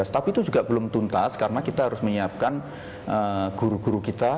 tapi itu juga belum tuntas karena kita harus menyiapkan guru guru kita